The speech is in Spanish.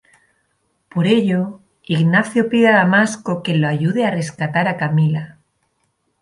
Por ello, Ignacio pide a Damasco que lo ayude a rescatar a Camila.